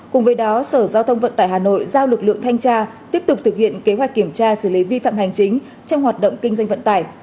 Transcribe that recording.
cùng với đó sở giao thông vận tải hà nội giao lực lượng thanh tra tiếp tục thực hiện kế hoạch kiểm tra xử lý vi phạm hành chính trong hoạt động kinh doanh vận tải